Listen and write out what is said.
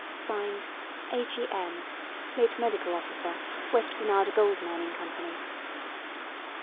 (Signed) "A. G. M., "Late Medical Officer, West Granada Gold mining Company."